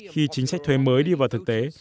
khi chính sách thuế mới đi vào thực tế